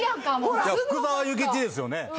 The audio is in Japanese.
「福沢諭吉」ですよね。